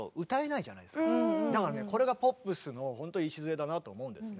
これがポップスのほんと礎だなと思うんですね。